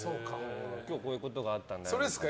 今日こういうことがあったんだよとか。